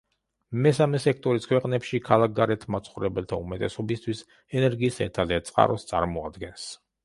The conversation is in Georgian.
მესამე სექტორის ქვეყნებში, ქალაქგარეთ მაცხოვრებელთა უმეტესობისთვის ენერგიის ერთადერთ წყაროს წარმოადგენს.